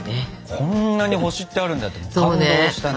こんなに星ってあるんだって感動したね。